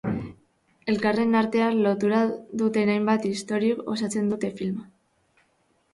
Elkarren artean lotura duten hainbat istoriok osatzen dute filma.